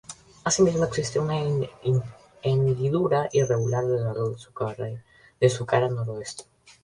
Así mismo, existe una hendidura irregular a lo largo de su cara noroeste.